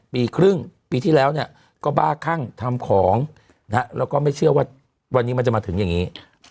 ปีครึ่งปีที่แล้วก็บ้าคั่งทำของแล้วก็ไม่เชื่อว่าวันนี้มันจะมาถึงอย่างนี้